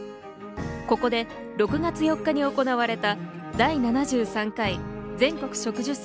ここで６月４日に行われた第７３回全国植樹祭